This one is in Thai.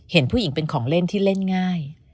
เห็นผู้หญิงเป็นของเล่นที่เล่นง่าย